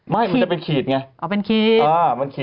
มันจะเป็นขีดไง